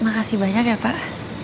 makasih banyak ya pak